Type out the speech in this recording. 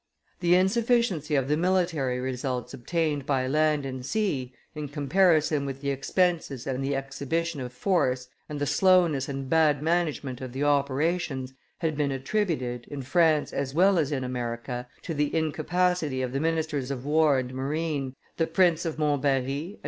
The insufficiency of the military results obtained by land and sea, in comparison with the expenses and the exhibition of force, and the slowness and bad management of the operations, had been attributed, in France as well as in America, to the incapacity of the ministers of war and marine, the Prince of Montbarrey and M.